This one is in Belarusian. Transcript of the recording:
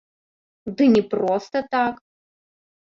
Ды не проста так.